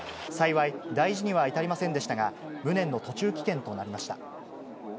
幸い、大事には至りませんでしたが、無念の途中棄権となりました。